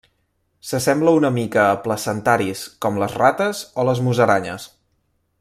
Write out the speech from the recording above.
S'assembla una mica a placentaris com les rates o les musaranyes.